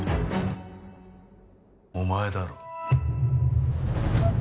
お前だろ。